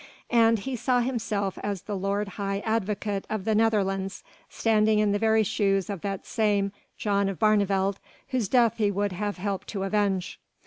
And he saw himself as the Lord High Advocate of the Netherlands standing in the very shoes of that same John of Barneveld whose death he would have helped to avenge.